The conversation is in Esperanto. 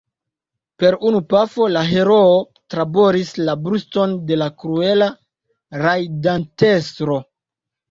Per unu pafo la heroo traboris la bruston de la kruela rajdantestro.